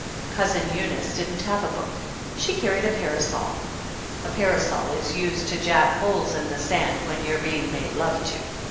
Cousin Eunice didn't have a book. She carried a parasol. A para sul is used to jab holes in the sand when you're Leing made love to.